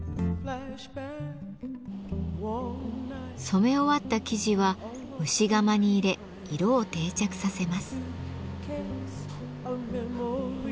染め終わった生地は蒸し釜に入れ色を定着させます。